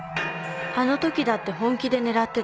あのときだって本気で狙ってた。